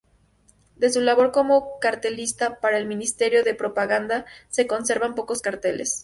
De su labor como cartelista para el Ministerio de Propaganda se conservan pocos carteles.